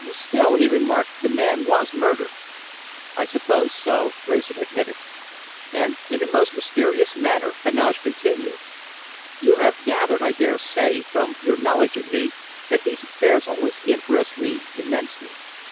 "Still," he remarked, "the man was murdered." "I suppose so," Wrayson admitted. "And in a most mysterious manner," Heneage continued. "You have gathered, I dare say, from your knowledge of me, that these affairs always interest me immensely.